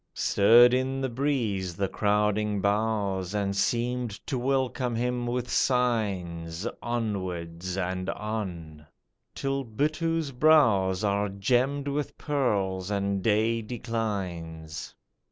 Stirred in the breeze the crowding boughs, And seemed to welcome him with signs, Onwards and on, till Buttoo's brows Are gemmed with pearls, and day declines.